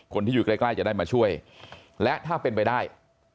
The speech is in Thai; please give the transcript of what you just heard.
คนที่อยู่ใกล้จะได้มาช่วยและถ้าเป็นไปได้